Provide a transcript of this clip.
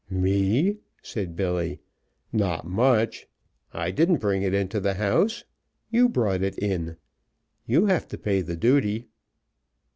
"Me?" said Billy. "Not much! I didn't bring it into the house; you brought it in. You have to pay the duty."